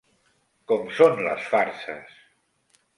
Com són les farses?